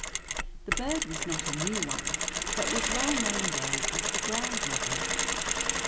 The bird was not a new one, but was well known then as the ground robin.